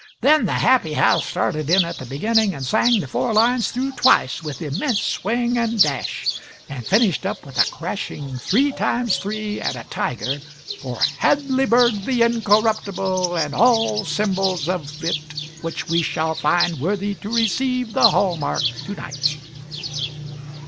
Then the happy house started in at the beginning and sang the four lines through twice, with immense swing and dash, and finished up with a crashing three times three and a tiger for "Hadleyburg the Incorruptible and all Symbols of it which we shall find worthy to receive the hall mark to night."